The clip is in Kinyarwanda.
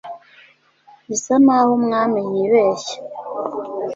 gisa n'aho umwami yibeshya